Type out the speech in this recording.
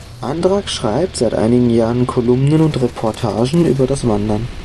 Andrack schreibt seit einigen Jahren Kolumnen und Reportagen über das Wandern.